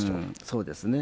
そうですね。